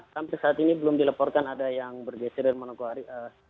sampai saat ini belum dilaporkan ada yang bergeser dan manokwari